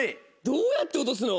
どうやって落とすの？